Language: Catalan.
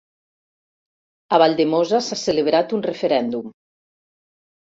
A Valldemossa s'ha celebrat un referèndum